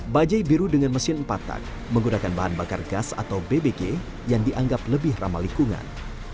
bajai biru dengan mesin empat tak menggunakan bahan bakar gas atau bbg yang dianggap lebih ramah lingkungan